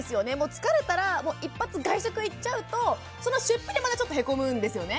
疲れたら一発外食行っちゃうとその出費でへこむんですよね。